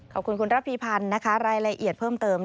ขอบคุณคุณระพีพันธ์นะคะรายละเอียดเพิ่มเติม